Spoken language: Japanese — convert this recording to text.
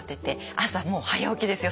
朝もう早起きですよ。